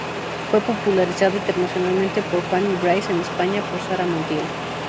Fue popularizada internacionalmente por Fanny Brice y en España por Sara Montiel.